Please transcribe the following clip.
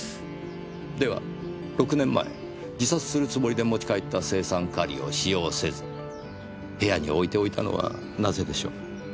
では６年前自殺するつもりで持ち帰った青酸カリを使用せず部屋に置いておいたのはなぜでしょう？